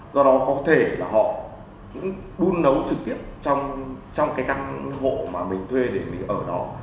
do đó có thể là họ cũng đun nấu trực tiếp trong cái căn hộ mà mình thuê để mình ở đó